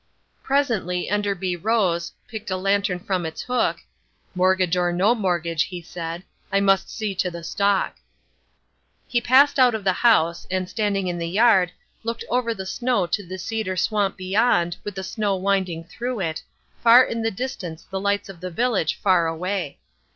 Presently Enderby rose, picked a lantern from its hook, "Mortgage or no mortgage," he said, "I must see to the stock." He passed out of the house, and standing in the yard, looked over the snow to the cedar swamp beyond with the snow winding through it, far in the distance the lights of the village far away.